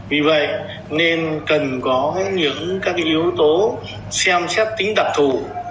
vì vậy nên cần có những các yếu tố xem xét tính đặc thù